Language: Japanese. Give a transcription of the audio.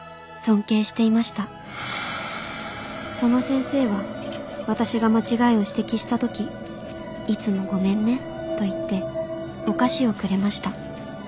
その先生は私が間違いを指摘した時いつもごめんねと言ってお菓子をくれました。